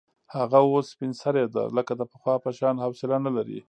هغه اوس سپین سرې ده، لکه د پخوا په شان حوصله نه لري.